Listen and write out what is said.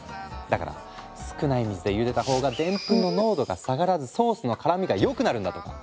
だから少ない水でゆでた方がでんぷんの濃度が下がらずソースの絡みが良くなるんだとか！